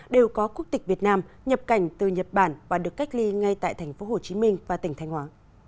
đều có quốc tịch việt nam nhập cảnh từ nhật bản và được cách ly ngay tại tp hcm và tỉnh thanh hóa